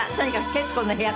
「徹子の部屋」